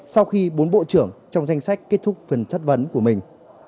sau khi bốn bộ trưởng trong danh sách kết thúc phần chất vấn của mình